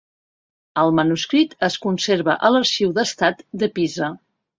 El manuscrit es conserva a l’Arxiu d’Estat de Pisa.